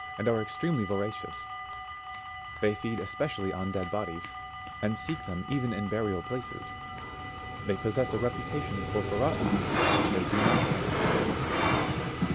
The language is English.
and are extremely voracious; they feed especially on dead bodies, and seek them even in burial places ; they possess a reputation for ferocity which they do not merit.